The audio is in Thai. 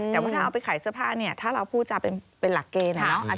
แต่ว่าถ้าเอาไปขายเสื้อผ้าเนี่ยถ้าเราพูดจะเป็นหลักเกณฑ์